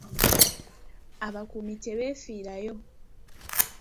Abakuumi tebeefiirayo.